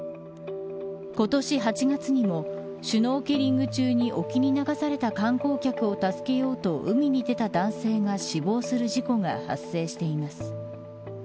今年８月にもシュノーケリング中に沖に流された観光客を助けようと海に出た男性が死亡する事故が発生しています。